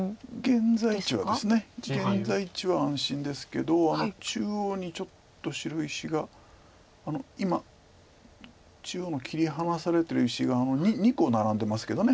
現在地は安心ですけど中央にちょっと白石が今中央の切り離されてる石が２個ナラんでますけど。